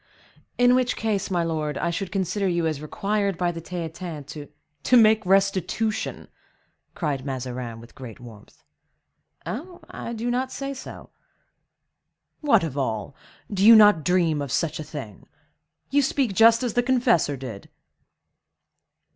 "In which case, my lord, I should consider you as required by the Theatin to—" "To make restitution!" cried Mazarin, with great warmth. "Eh! I do not say no." "What, of all! You do not dream of such a thing! You speak just as the confessor did."